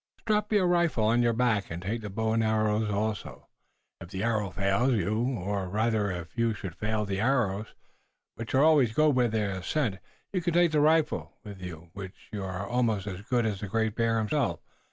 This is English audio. "Strap your rifle on your back, and take the bow and arrows also. If the arrows fail you, or rather if you should fail the arrows, which always go where they are sent, you can take the rifle, with which you are almost as good as the Great Bear himself.